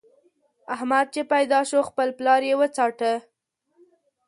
احمد چې پيدا شو؛ خپل پلار يې وڅاټه.